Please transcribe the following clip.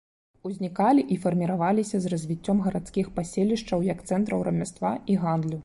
Узнікалі і фарміраваліся з развіццём гарадскіх паселішчаў як цэнтраў рамяства і гандлю.